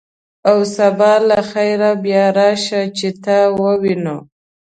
او سبا له خیره بیا راشه، چې تا ووینو.